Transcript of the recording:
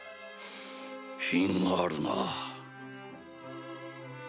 品があるな。